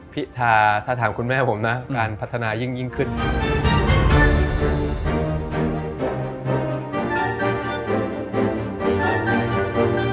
พิธาถ้าถามคุณแม่ผมนะการพัฒนายิ่งขึ้น